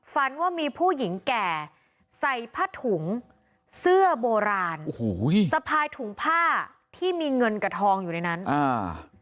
ฝันว่ามีผู้หญิงแก่ใส่ผ้าถุงเสื้อโบราณโอ้โหสะพายถุงผ้าที่มีเงินกับทองอยู่ในนั้นอ่า